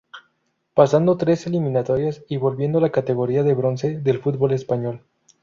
Pasando las tres eliminatorias y volviendo a la categoría de bronce del fútbol español.